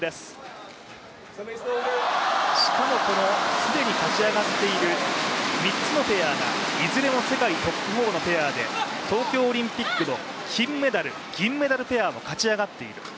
既に勝ち上がっている３つのペアがいずれも世界トップ４のペアで東京オリンピックの金メダル、銀メダルペアも勝ち上がっている。